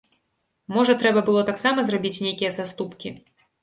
Можа трэба было таксама зрабіць нейкія саступкі?